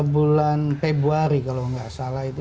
bulan februari kalau nggak salah itu